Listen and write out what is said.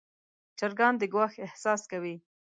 چرګان د ګواښ احساس کوي.